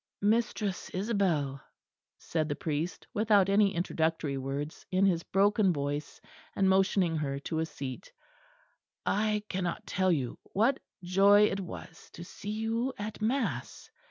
"Mistress Isabel," said the priest, without any introductory words, in his broken voice, and motioning her to a seat, "I cannot tell you what joy it was to see you at mass.